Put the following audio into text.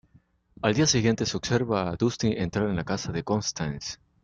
Al día siguiente, se observa a Dusty entrar a la casa de Constance.